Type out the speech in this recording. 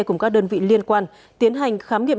cùng các đơn vị liên quan tiến hành khám nghiệm